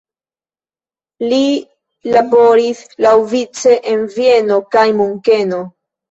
Li laboris laŭvice en Vieno kaj Munkeno.